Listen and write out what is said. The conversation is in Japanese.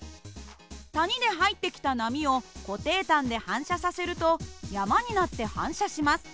谷で入ってきた波を固定端で反射させると山になって反射します。